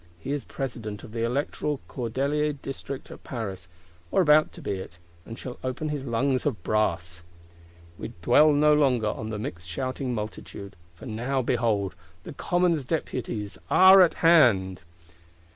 He is President of the electoral Cordeliers District at Paris, or about to be it; and shall open his lungs of brass. We dwell no longer on the mixed shouting Multitude: for now, behold, the Commons Deputies are at hand!